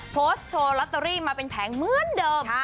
โพสต์โชว์ลอตเตอรี่มาเป็นแผงเหมือนเดิม